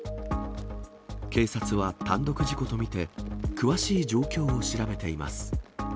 警察は、単独事故と見て詳しい状況を調べています。